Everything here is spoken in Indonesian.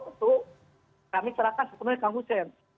tentu kami serahkan sebenarnya kang hussein